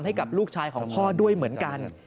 ให้กับลูกชายของพ่อด้วยเหมือนกัน